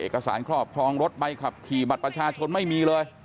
เอกสารครอบครองรถใบขับขี่บัตรประชาชนไม่มีเลย